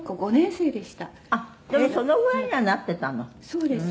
「そうです。